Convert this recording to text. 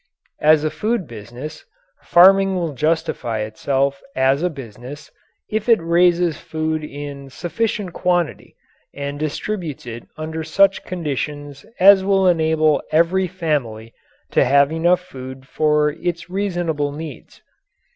As a food business, farming will justify itself as a business if it raises food in sufficient quantity and distributes it under such conditions as will enable every family to have enough food for its reasonable needs.